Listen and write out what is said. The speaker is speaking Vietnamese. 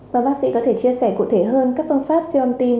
và bác sĩ có thể chia sẻ cụ thể hơn các phương pháp siêu âm tim